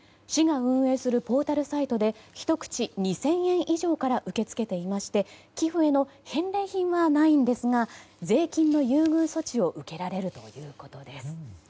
市が運営するポータルサイトで一口２０００円以上から受け付けていまして寄付への返礼品はないんですが税金の優遇措置を受けられるということです。